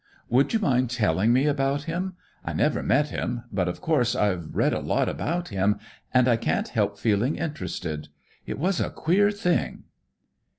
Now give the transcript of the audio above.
"Would you mind telling me about him? I never met him, but of course I'd read a lot about him, and I can't help feeling interested. It was a queer thing."